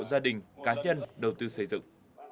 gia đình cá nhân đầu tư xây dựng